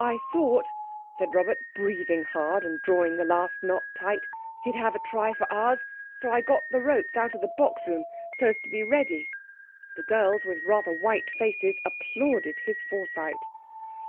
"I thought," said Robert, breathing hard, and drawing the last knot tight, "he'd have a try for Ours, so I got the ropes out of the box room, so as to be ready." The girls, with rather white faces, applauded his foresight.